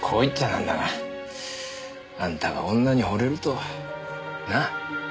なんだがあんたが女に惚れるとなあ？